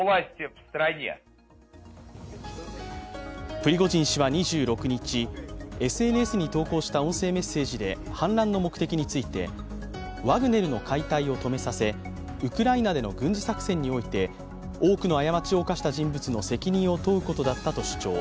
プリゴジン氏は２６日、ＳＮＳに投稿した音声メッセージで反乱の目的について、ワグネルの解体を止めさせウクライナでの軍事作戦において多くの過ちを犯した人物の責任を問うことだったと主張。